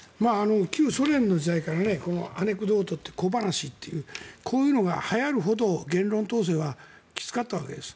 旧ソ連の時代からアネクドートという小話というこういうのがはやるほど言論統制はきつかったわけです。